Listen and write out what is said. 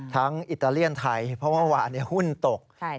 ทั้งอิตาเลียนไทยเพราะว่าหุ้นตก